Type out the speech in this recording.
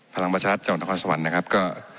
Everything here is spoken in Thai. พลังประชาชน์จังหลังความสวรรค์นะครับก็